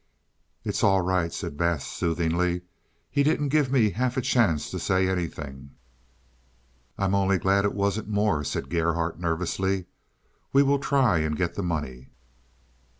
"It's all right," said Bass soothingly. "He didn't give me half a chance to say anything." "I'm only glad it wasn't more," said Gerhardt nervously. "We will try and get the money."